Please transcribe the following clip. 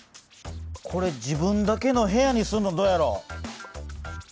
これ自分だけの部屋にするのどうやろう？